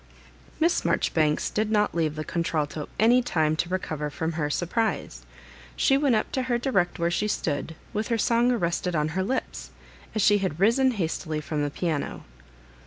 Miss Marjobibanes did not leave the contral to any time to recover firom her surprise ; she went up to her direct where she stood, with her song arrested on her lips, as she had risen hastily from the piano.